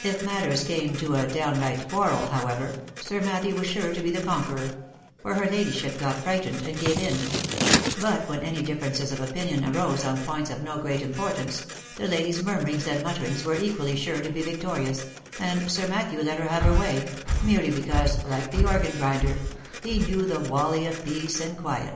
If matters came to a downright quarrel, however, Sir Matthew was sure to be the conqueror ; for her ladyship got frightened, and gave in ; but when any differences of opinion arose on points of no great importance, the lady's murmurings and mutterings were equally sure to be victorious, and Sir Matthew let her have her way, merely because, like the organ grinder, " he knew the wally of peace and q